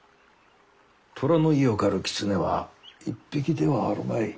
「虎の威を借る狐」は一匹ではあるまい。